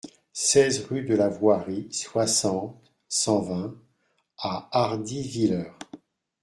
seize rue de la Voierie, soixante, cent vingt à Hardivillers